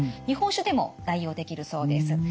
日本酒でも代用できるそうです。